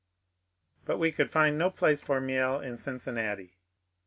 " But we could find no place for Miel in Cincinnati.